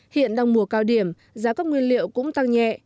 hiện đang mùa cao điểm giá các nguyên liệu cũng tăng nhẹ